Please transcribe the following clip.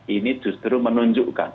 ini justru menunjukkan